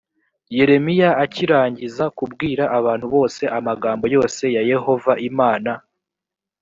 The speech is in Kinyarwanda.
yeremiya akirangiza kubwira abantu bose amagambo yose ya yehova imana